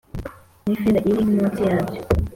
N ifeza iri munsi yabyo